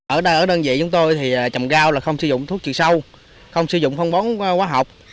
ở đơn vị chúng tôi chồng rau không sử dụng thuốc trừ sâu không sử dụng phong bóng hóa học